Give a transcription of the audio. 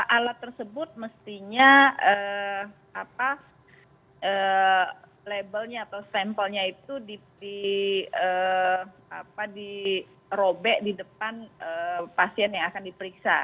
alat tersebut mestinya labelnya atau sampelnya itu dirobek di depan pasien yang akan diperiksa